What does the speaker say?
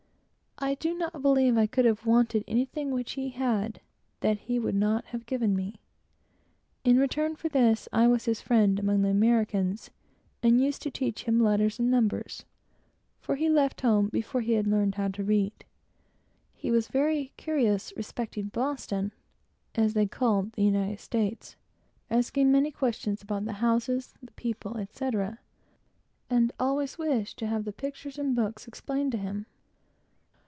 I do not believe I could have wanted anything which he had, that he would not have given me. In return for this, I was always his friend among the Americans, and used to teach him letters and numbers; for he left home before he had learned how to read. He was very curious about Boston (as they call the United States); asking many questions about the houses, the people, etc., and always wished to have the pictures in books explained to him.